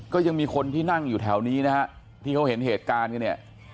ก็ยังมีคนที่นั่งอยู่แถวนี้นะฮะที่เขาเห็นเหตุการณ์กันเนี่ย